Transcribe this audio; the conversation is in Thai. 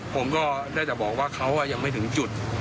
ผมก็ได้แต่บอกว่าเขายังไม่ถึงจุด